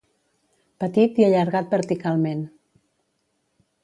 Petit i allargat verticalment.